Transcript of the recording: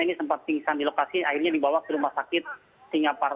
ini sempat pingsan di lokasi akhirnya dibawa ke rumah sakit singapar